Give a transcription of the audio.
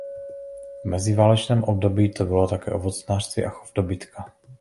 V meziválečném období to bylo také ovocnářství a chov dobytka.